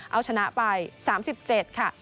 เอาชนะไป๓๗ค่ะ